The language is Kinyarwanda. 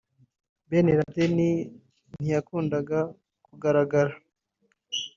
Ben Laden ntiyakundaga kugaragara